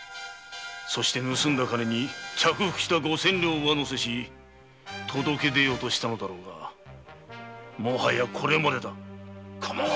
そして盗んだ金に着服した五千両を上乗せし届け出ようとしたのだろうがもはやこれまでだ。